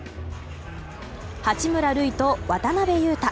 八村塁と渡邊雄太。